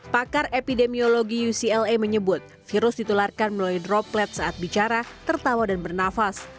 pakar epidemiologi ucla menyebut virus ditularkan melalui droplet saat bicara tertawa dan bernafas